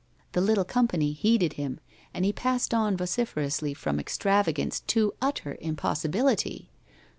The little company heeded him, and he passed on vociferously from extravagance to utter impossibility.